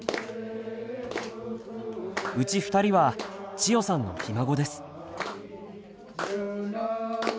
うち２人は千代さんのひ孫です。